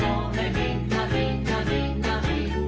みんなみんなみんなみんな」